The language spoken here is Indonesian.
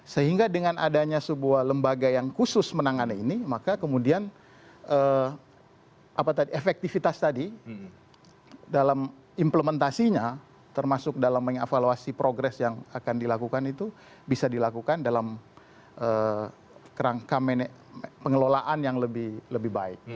sehingga dengan adanya sebuah lembaga yang khusus menangani ini maka kemudian efektivitas tadi dalam implementasinya termasuk dalam mengevaluasi progres yang akan dilakukan itu bisa dilakukan dalam pengelolaan yang lebih baik